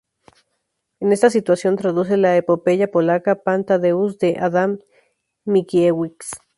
En esta situación traduce la epopeya polaca "Pan Tadeusz" de Adam Mickiewicz.